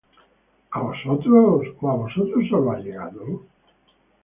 ¿ó á vosotros solos ha llegado?